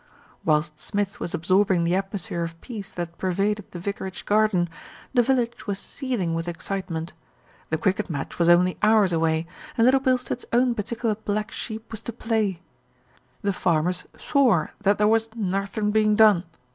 Whilst Smith was absorbing the atmosphere of peace that pervaded the vicarage garden, the village was seething with excitement. The cricket match was only hours away, and Little Bilstead's own particular black sheep was to play. The farmers swore that there was "narthen being done."